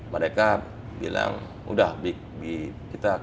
mereka bilang udah big kita